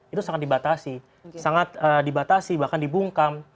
itu sangat dibatasi sangat dibatasi bahkan dibungkam